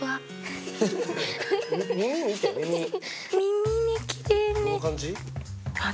耳ねきれいね。